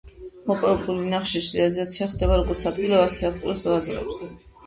მოპოვებული ნახშირის რეალიზაცია ხდება როგორც ადგილობრივ, ასევე საექსპორტო ბაზრებზე.